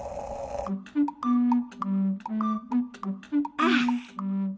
ああ。